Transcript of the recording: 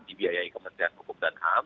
dibiayai kementerian hukum dan ham